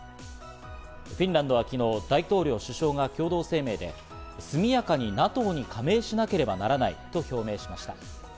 フィンランドは昨日、大統領・首相が共同声明で速やかにＮＡＴＯに加盟しなければならないと表明しました。